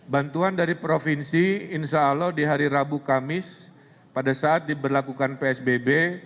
bantuan dari provinsi insyaallah di hari rabu kamis pada saat diberlakukan psbb